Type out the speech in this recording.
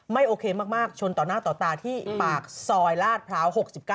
โอเคมากชนต่อหน้าต่อตาที่ปากซอยลาดพร้าว๖๙